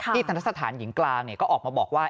ธนสถานหญิงกลางก็ออกมาบอกว่า